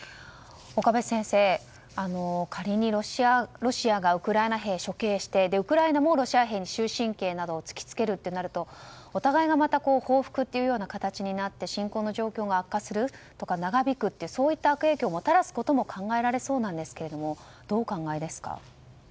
岡部先生、仮にロシアがウクライナ兵を処刑してウクライナもロシア兵に終身刑などを突き付けるとなるとお互いがまた報復という形になって侵攻の状況が悪化するとか長引くといった悪影響をもたらすことも考えられそうなんですけどどうお考えですか。